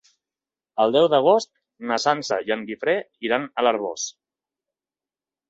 El deu d'agost na Sança i en Guifré iran a l'Arboç.